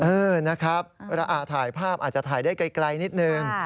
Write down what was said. เออนะครับถ่ายภาพอาจจะถ่ายได้ไกลนิดนึง